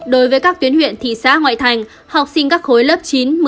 đối với các tuyến huyện thị xã ngoại thành học sinh các khối lớp chín một mươi một mươi một một mươi hai